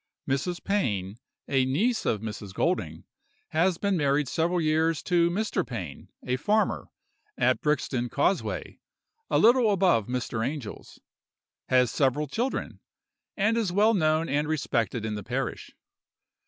Mrs. Pain, a niece of Mrs. Golding, has been married several years to Mr. Pain, a farmer, at Brixton causeway, a little above Mr. Angel's—has several children, and is well known and respected in the parish.